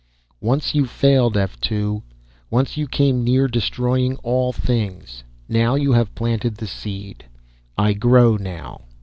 "Once you failed, F 2; once you came near destroying all things. Now you have planted the seed. I grow now."